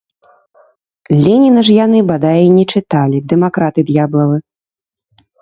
Леніна ж яны, бадай, і не чыталі, дэмакраты д'яблавы!